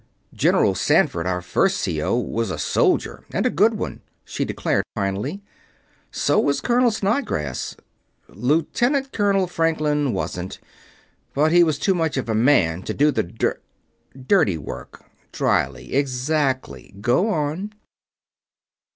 "General Sanford, our first C.O., was a soldier, and a good one," she declared finally. "So was Colonel Snodgrass. Lieutenant Colonel Franklin wasn't; but he was too much of a man to do the dir ..." "Dirty work," dryly. "Exactly. Go on."